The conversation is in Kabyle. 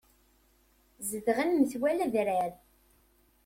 Zedɣen metwal adrar.